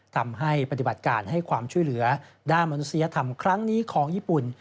ทำให้ปฏิบัติการให้ความช่วยเหลือด้านมนุษยธรรมครั้งนี้ของญี่ปุ่น